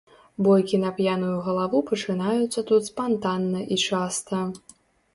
Бойкі на п'яную галаву пачынаюцца тут спантанна і часта.